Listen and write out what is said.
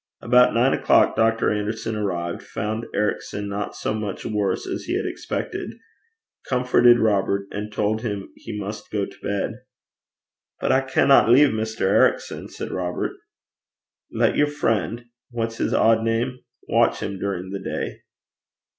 About nine o'clock Dr. Anderson arrived, found Ericson not so much worse as he had expected, comforted Robert, and told him he must go to bed. 'But I cannot leave Mr. Ericson,' said Robert. 'Let your friend what's his odd name? watch him during the day.'